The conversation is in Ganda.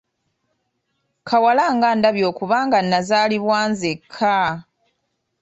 Kawala nga ndabye okuba nga nnazaalibwa nzekka!